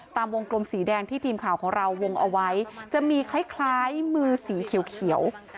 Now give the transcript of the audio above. ตามวงกลมสีแดงที่ทีมข่าวของเราวงเอาไว้จะมีคล้ายมือสีเขียว